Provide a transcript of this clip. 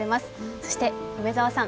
そして、梅澤さん